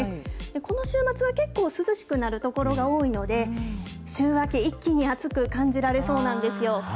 この週末は結構、涼しくなる所が多いので、週明け、一気に暑く感じられそうなんですよ。